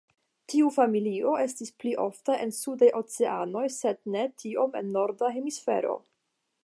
Tiu familio estas pli ofta en sudaj oceanoj sed ne tiom en Norda hemisfero.